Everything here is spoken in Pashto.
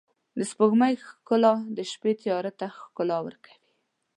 د سپوږمۍ ښکلا د شپې تیاره ته ښکلا ورکوي.